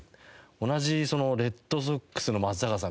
同じレッドソックスの松坂さん。